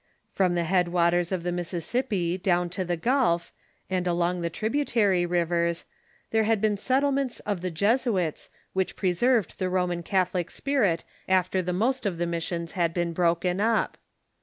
From the head ''Tn't"he West'" waters of the Mississippi down to the Gulf, and along the tributary rivers, there had been settle ments of the Jesuits, which preserved the Roman Catholic spirit after the most of the missions had been broken up.